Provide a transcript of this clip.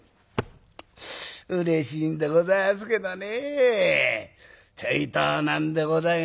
うれしいんでございますけどねちょいと何でございましてね